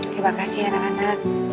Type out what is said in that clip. terima kasih anak anak